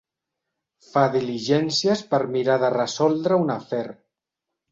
Fa diligències per mirar de resoldre un afer.